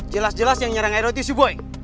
jelas jelas yang nyerang edo itu si boy